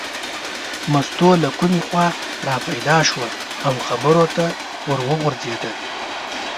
مستو له کومې خوا را پیدا شوه او خبرو ته ور وغورځېده.